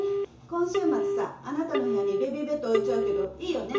今週末さあなたの部屋にベビーベッド置いちゃうけどいいよね？